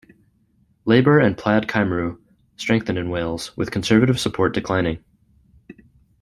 Labour and Plaid Cymru strengthened in Wales, with Conservative support declining.